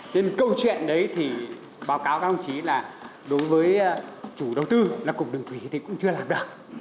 nên câu chuyện đấy thì báo cáo các ông chí là đối với chủ đầu tư là cục đường thủy thì cũng chưa làm được